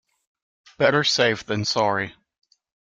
Better safe than sorry.